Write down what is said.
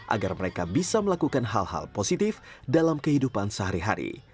agar mereka bisa melakukan hal hal positif dalam kehidupan sehari hari